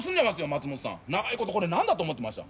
松本さん長いこと何だと思ってました？